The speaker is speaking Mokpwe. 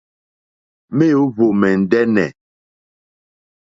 Mèóhwò mɛ̀ndɛ́nɛ̀.